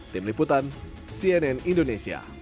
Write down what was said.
tim liputan cnn indonesia